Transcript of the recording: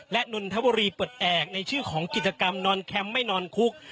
และนนทบุรีเปิดแอกในชื่อของกิจกรรมนอนแคมป์ไม่นอนคุก